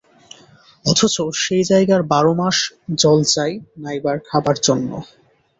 অথচ সেই জায়গার বারমাস জল চাই নাইবার-খাবার জন্য।